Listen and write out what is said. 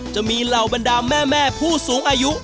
จะมีเหล่าบรรดาแม่ผู้สูงอายุ